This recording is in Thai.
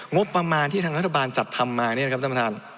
งบประมาณที่ทางรัฐบาลจัดทำมาเนี่ยนะครับท่านประธาน